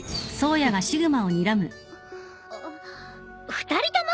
２人とも！